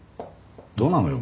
どうなのよ？